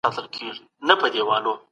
موږ د اقتصادي ستونزو د حل لارې لټوو.